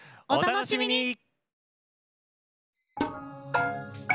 お楽しみに！